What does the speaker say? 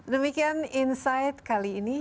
demikian insight kali ini